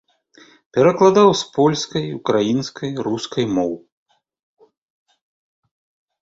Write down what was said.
Перакладаў з польскай, украінскай, рускай моў.